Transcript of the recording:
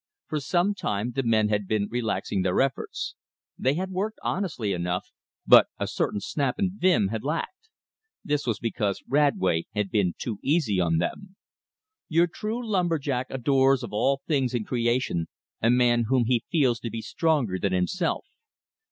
For some time the men had been relaxing their efforts. They had worked honestly enough, but a certain snap and vim had lacked. This was because Radway had been too easy on them. Your true lumber jack adores of all things in creation a man whom he feels to be stronger than himself.